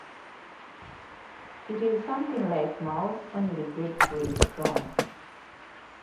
It is something like mouse; only dreadfully strong.